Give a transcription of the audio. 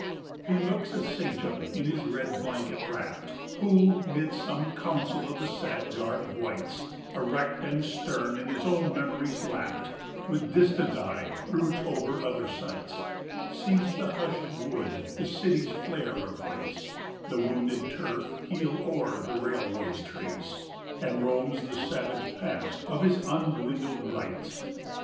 He looks a sachem, in red blanket wrapt, Who, 'mid some council of the sad garbed whites, Erect and stern, in his own memories lapt, With distant eye broods over other sights, 60 Sees the hushed wood the city's flare replace, The wounded turf heal o'er the railway's trace, And roams the savage Past of his undwindled rights.